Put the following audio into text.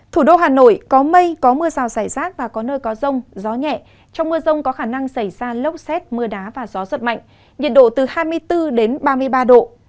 thủ đô hà nội có mây có mưa rào rải rác và có nơi có rông gió nhẹ trong mưa rông có khả năng xảy ra lốc xét mưa đá và gió giật mạnh nhiệt độ từ hai mươi bốn đến ba mươi ba độ